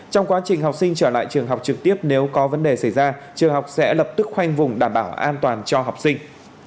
trong quá trình học sinh trở lại trường học trực tiếp nếu có vấn đề xảy ra trường học sẽ lập tức khoanh vùng đảm bảo an toàn cho học sinh